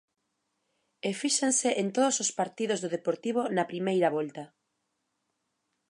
E fíxense en todos os partidos do Deportivo na primeira volta.